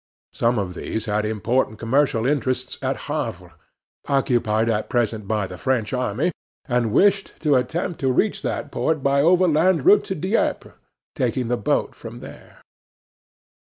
Some of these had important commercial interests at Havre occupied at present by the French army and wished to attempt to reach that port by overland route to Dieppe, taking the boat from there.